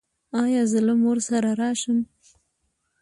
ایا زه له مور سره راشم؟